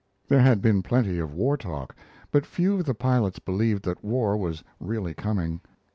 There had been plenty of war talk, but few of the pilots believed that war was really coming.